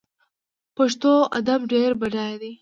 پښتو ادب ډیر بډای دی